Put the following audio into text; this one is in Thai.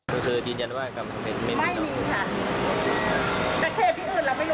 เธอเจอจริงจันทร์ว่ากำแพงเพชรไม่มีค่ะแต่เทพที่อื่นเราไม่รู้